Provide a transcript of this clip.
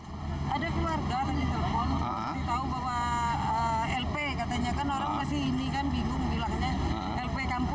tapi memang tadi lagi berhenti di simpang arapang